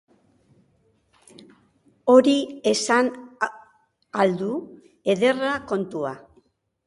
Hori esan al du? Ederra kontua!